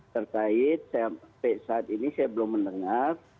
terkait sampai saat ini saya belum mendengar